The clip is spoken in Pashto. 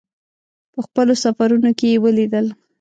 په خپلو سفرونو کې یې ولیدل.